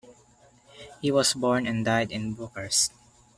He was born and died in Bucharest.